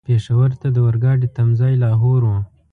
پېښور ته د اورګاډي تم ځای لاهور و.